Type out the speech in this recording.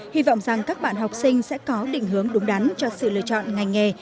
hy vọng rằng các bạn học sinh sẽ có định hướng đúng đắn cho sự lựa chọn ngành nghề